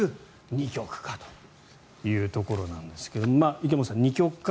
二極化というところなんですけど池本さん、二極化